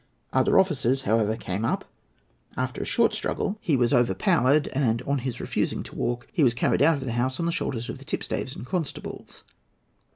Other officers, however, came up. After a short struggle, he was overpowered, and, on his refusing to walk, he was carried out of the House on the shoulders of the tipstaves and constables.